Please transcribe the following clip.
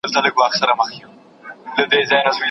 مرګ د ژوند د کتاب وروستۍ پاڼه ده.